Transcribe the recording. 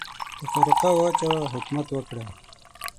تفرقه واچوه ، حکومت وکړه.